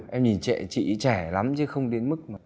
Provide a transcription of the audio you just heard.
em nhìn trẻ chị trẻ lắm chứ không đến mức mà